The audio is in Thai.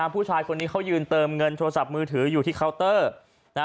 ผู้ชายคนนี้เขายืนเติมเงินโทรศัพท์มือถืออยู่ที่เคาน์เตอร์